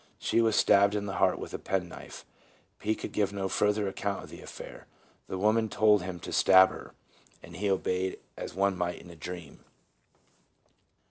She was stabbed to the heart with a pen knife. P. could give no further account of the affair: the woman told him to stab her, and he obeyed as one might in a dream."